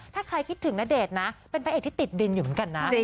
ถ้าใครคิดถึงณเดชน์นะเป็นพระเอกที่ติดดินอยู่เหมือนกันนะ